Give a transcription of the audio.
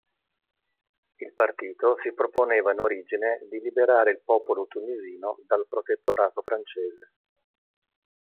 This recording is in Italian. Il partito si proponeva in origine di liberare il popolo tunisino dal protettorato francese.